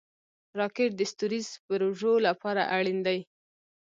راکټ د ستوریزو پروژو لپاره اړین دی